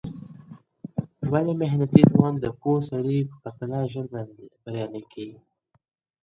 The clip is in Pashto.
ولي محنتي ځوان د پوه سړي په پرتله ژر بریالی کېږي؟